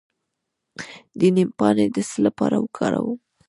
د نیم پاڼې د څه لپاره وکاروم؟